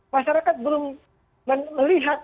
masyarakat belum melihat